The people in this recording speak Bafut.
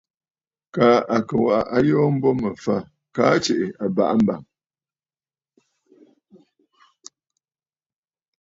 Kaa à kɨ̀ waʼa ayoo a mbo mə̀ fâ, kaa tsiʼì àbàʼa mbàŋ!